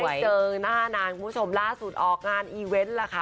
เจอหน้านานคุณผู้ชมล่าสุดออกงานอีเวนต์ล่ะค่ะ